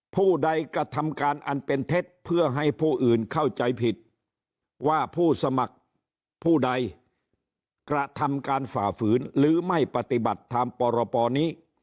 ผู้ใดกระทำการอันเป็นเท็จเพื่อให้ผู้อื่นเข้าใจผิดว่าผู้สมัครผู้ใดกระทำการฝ่าฝืนหรือไม่ปฏิบัติตามปรปนี้